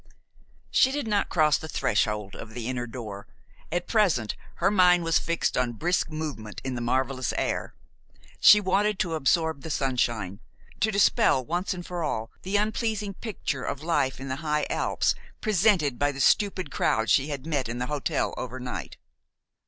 She did not cross the threshold of the inner door. At present her mind was fixed on brisk movement in the marvelous air. She wanted to absorb the sunshine, to dispel once and for all the unpleasing picture of life in the high Alps presented by the stupid crowd she had met in the hotel overnight.